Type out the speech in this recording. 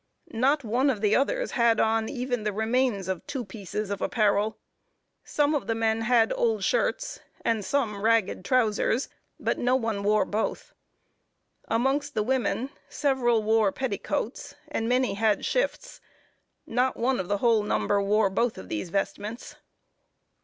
Not one of the others had on even the remains of two pieces of apparel. Some of the men had old shirts, and some ragged trowsers, but no one wore both. Amongst the women, several wore petticoats, and many had shifts. Not one of the whole number wore both of these vestments.